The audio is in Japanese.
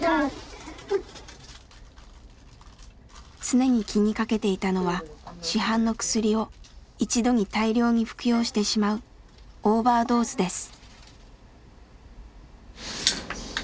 常に気にかけていたのは市販の薬を一度に大量に服用してしまうオーバードーズです。